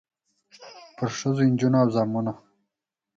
پرښخو، نجونو او زامنو